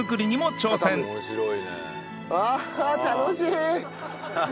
ああ楽しい！